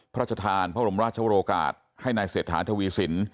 พระชทานพระบรมราชโวโลกาศให้นายเสถานธวีสิน